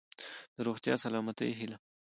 د روغتیا ،سلامتۍ هيله .💡